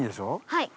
はい。